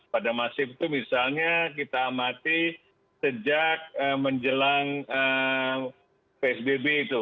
pada masif itu misalnya kita amati sejak menjelang psbb itu